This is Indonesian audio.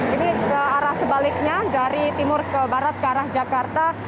ini ke arah sebaliknya dari timur ke barat ke arah jakarta